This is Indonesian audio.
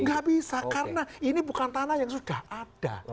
nggak bisa karena ini bukan tanah yang sudah ada